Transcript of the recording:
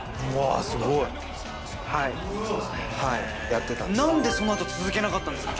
すごい。何でその後続けなかったんですか？